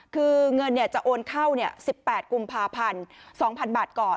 คือเงินจะโอนเข้า๑๘กุมภาพันธ์๒๐๐๐บาทก่อน